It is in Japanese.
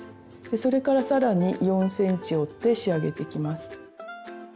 それから更に４ｃｍ折って仕上げていきます。